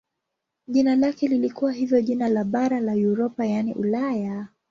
Jina lake lilikuwa hivyo jina la bara la Europa yaani Ulaya.